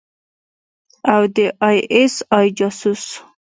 او د آى اس آى جاسوس.